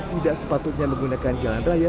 tidak sepatutnya menggunakan jalan raya